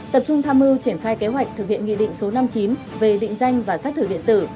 tập trung tham mưu triển khai kế hoạch thực hiện nghị định số năm mươi chín về định danh và sách thử điện tử